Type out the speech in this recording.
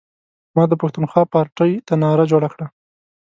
ما د پښتونخوا پارټۍ ته نعره جوړه کړه.